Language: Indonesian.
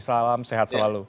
salam sehat selalu